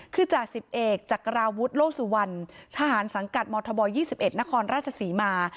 คือจ่าสิบเอกจักราวุฒิโลสุวรรณทหารสังกัดมธบ๒๑นครราชศรีมา